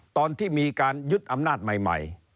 ตอนที่มีการยึดอำนาจใหม่